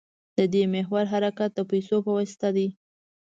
د دې محور حرکت د پیسو په واسطه دی.